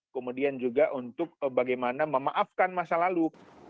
kemudian juga untuk bagaimana memaafkan masa lalu